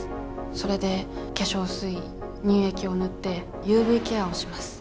それで化粧水乳液を塗ってＵＶケアをします。